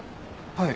はい。